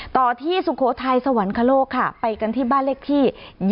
ต่อที่สุโขทัยสวรรคโลกค่ะไปกันที่บ้านเลขที่๒๒